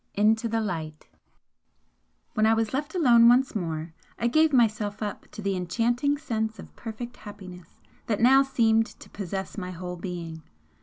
XX INTO THE LIGHT When I was left alone once more I gave myself up to the enchanting sense of perfect happiness that now seemed to possess my whole being.